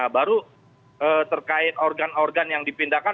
baru terkait organ organ yang dipindahkan